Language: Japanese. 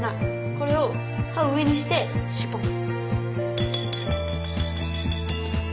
これを刃を上にしてシュポン！